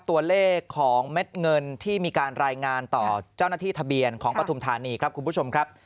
ตัวเลขของเม็ดเงินที่มีการรายงานต่อเจ้าหน้าที่ทะเบียนของปฐุมธานีครับคุณผู้ชมครับ